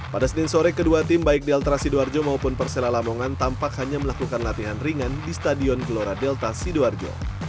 pada senin sore kedua tim baik delta sidoarjo maupun persela lamongan tampak hanya melakukan latihan ringan di stadion gelora delta sidoarjo